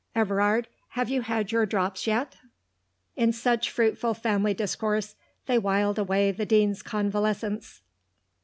Everard, have you had your drops yet?" In such fruitful family discourse they wiled away the Dean's convalescence.